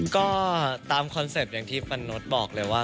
ก็ตามคอนเซ็ปต์อย่างที่ปันนดบอกเลยว่า